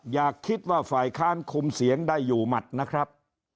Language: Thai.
อย่าคิดว่าฝ่ายค้านคุมเสียงได้อยู่หมัดนะครับ